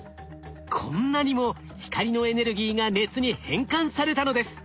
こんなにも光のエネルギーが熱に変換されたのです。